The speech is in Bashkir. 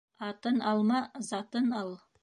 Атын алма, затын ал.